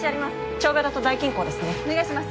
腸ベラと大筋鉤ですねお願いします